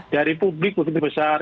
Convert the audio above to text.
dari publik begitu besar